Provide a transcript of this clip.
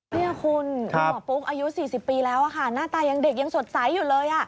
นี่คุณคุณหมอปุ๊กอายุ๔๐ปีแล้วค่ะหน้าตายังเด็กยังสดใสอยู่เลย